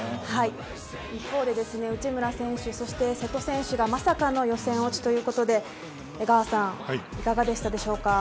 一方で、内村選手、瀬戸選手がまさかの予選落ちということで江川さんいかがでしたでしょうか？